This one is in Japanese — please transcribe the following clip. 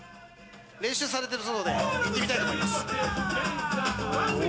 練習されてるそうなので行ってみたいと思います。イェイ！